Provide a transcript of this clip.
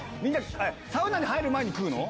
サウナに入る前に食うの？